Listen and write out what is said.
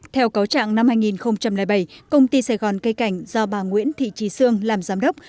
theo cáo trạng năm hai nghìn bảy công ty sài gòn cây cảnh do bà nguyễn thị trí sương làm giám đốc